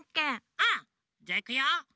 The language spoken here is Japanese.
うんじゃあいくよ。